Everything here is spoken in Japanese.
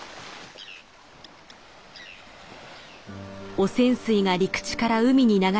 汚染水が陸地から海に流れ込み